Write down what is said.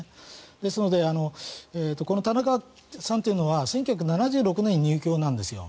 ですのでこの田中さんというのは１９７６年に入教なんです。